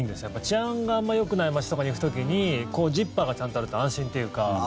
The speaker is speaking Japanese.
治安があまりよくない街とかに行く時にジッパーがちゃんとあると安心というか。